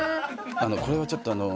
これはちょっとあのう。